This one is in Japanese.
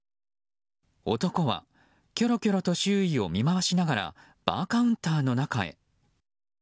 男は、きょろきょろと周囲を見渡しながらバーカウンターの中へ。